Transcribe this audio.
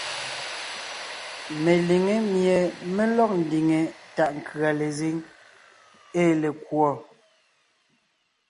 Meliŋé mie mé lɔg ndiŋe taʼ nkʉ̀a lezíŋ ée lekùɔ.